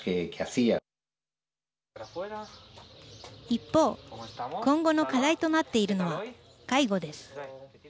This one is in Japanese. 一方今後の課題となっているのは介護です。